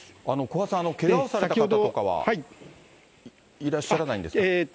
古賀さん、けがをされた方とかはいらっしゃらないんですか？